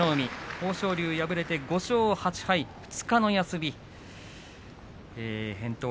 豊昇龍敗れて５勝８敗２日の休みへんとう